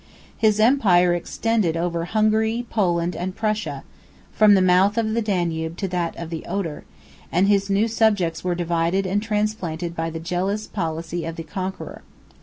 His empire extended over Hungary, Poland, and Prussia, from the mouth of the Danube to that of the Oder; 31 and his new subjects were divided and transplanted by the jealous policy of the conqueror.